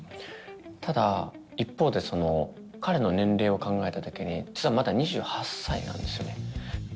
ただ一方でその彼の年齢を考えた時に実はまだ２８歳なんですよね